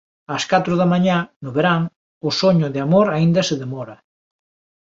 Ás catro da mañá, no verán, O soño de amor aínda se demora.